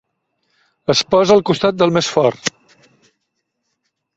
Es posa al costat del més fort.